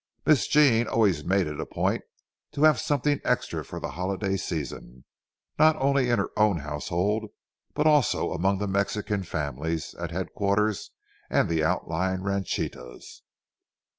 Miss Jean always made it a point to have something extra for the holiday season, not only in her own household, but also among the Mexican families at headquarters and the outlying ranchites.